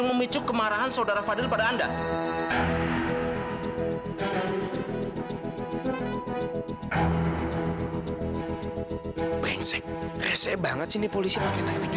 sampai jumpa di video selanjutnya